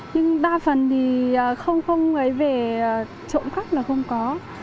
nhưng đa phần thì không không người về trộm khách là không có